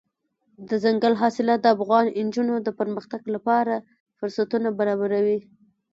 دځنګل حاصلات د افغان نجونو د پرمختګ لپاره فرصتونه برابروي.